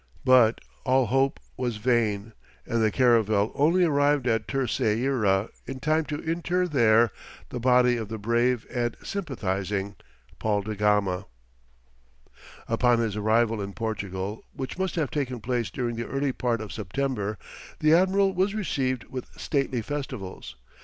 But all hope was vain, and the caravel only arrived at Terceira in time to inter there the body of the brave and sympathizing Paul da Gama. Upon his arrival in Portugal, which must have taken place during the early part of September, the admiral was received with stately festivals.